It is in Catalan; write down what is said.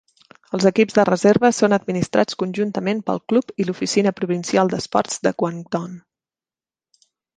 Els equips de reserva són administrats conjuntament pel club i l'Oficina Provincial d'Esports de Guangdong.